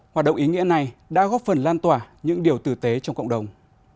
hoạt động ý nghĩa này đã góp phần lan tỏa những điều tử tế trong cộng đồng